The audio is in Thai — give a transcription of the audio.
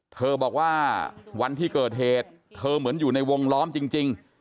เธอบอกว่าวันที่เกิดเหตุเธอเหมือนอยู่ในวงล้อมจริง